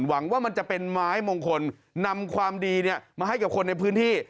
หวังว่ามันจะเป็นไม้มงคลนำความดีมาให้กับคนในพื้นที่